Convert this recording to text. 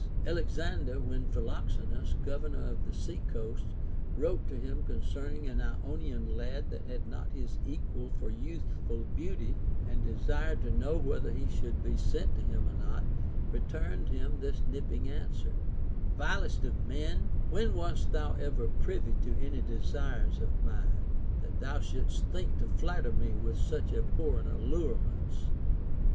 xllexander, when Phi loxenus, governor of the sea coasts, wrote to him concern ing an Ionian lad that had not his equal for youthful beauty, and desired to know whether he should be sent to him or not, returned him this nipping answer : Vilest of men, when wast thou ever privy to any desires of mine, 490 OF THE FORTUNE OF ALEXANDER THE GREAT. that thou shouldst think to flatter me with such abhorred allurements